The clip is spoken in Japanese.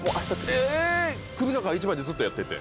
首の皮一枚でずっとやってて。